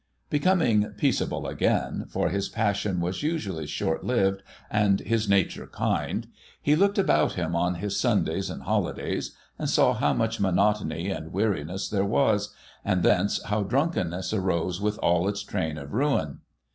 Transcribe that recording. ' Becoming peaceable again (for his passion was usually short lived, and his nature kind), he looked about him on his Sundays and holidays, and he saw how much monotony and weariness there was, and thence how drunkenness arose with all its train of ruin.